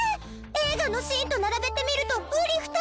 映画のシーンと並べてみるとうり二つ！